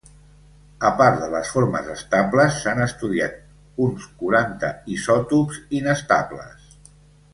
A part de les formes estables, s'han estudiat uns quaranta isòtops inestables.